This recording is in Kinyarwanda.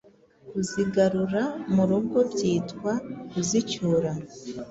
Kuzigarura mu rugo byitwa Kuzicyura